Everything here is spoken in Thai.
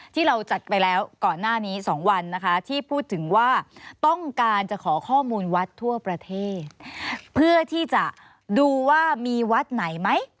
ที่เราจัดไปแล้วก่อนหน้านี้๒วันนะคะที่พูดถึงว่าต้องการจะขอข้อมูลวัดทั่วประเทศเพื่อที่จะดูว่ามีวัดไหนไหม